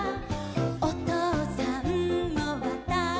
「おとうさんもわたしも」